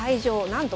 なんと